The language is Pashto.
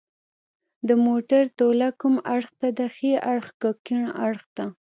د موټر توله کوم اړخ ته ده ښي اړخ که کیڼ اړخ ته